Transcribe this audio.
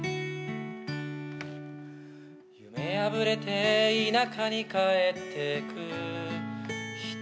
「夢破れて田舎に帰ってくる人」